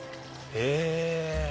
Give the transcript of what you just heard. へぇ！